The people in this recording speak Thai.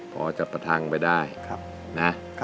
๓๐๐๐๐พอจะประทังไปได้นะ